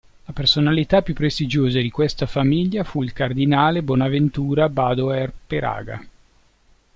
La personalità più prestigiosa di questa famiglia fu il cardinale Bonaventura Badoer Peraga.